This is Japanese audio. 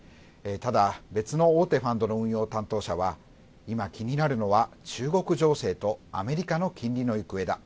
ただ別の大手ファンド運用担当者は、今、気になるのは中国情勢とアメリカの金利の行方だ。